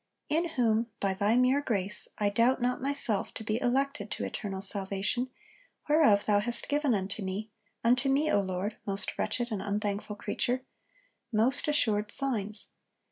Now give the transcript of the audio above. In whom, by Thy mere grace, I doubt not myself to be elected to eternal salvation, whereof Thou hast given unto me (unto me, O Lord, most wretched and unthankful creature) most assured signs.